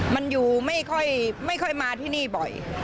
มันอยู่ไม่ค่อยมาที่นี่บ่อย